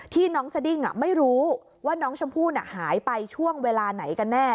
น้องสดิ้งไม่รู้ว่าน้องชมพู่หายไปช่วงเวลาไหนกันแน่